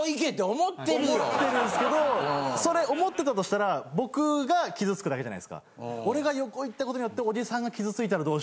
思ってるんすけどそれ思ってたとしたら僕が傷つくだけじゃないですか。